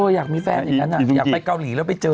อยากมีแฟนอย่างนั้นอยากไปเกาหลีแล้วไปเจอ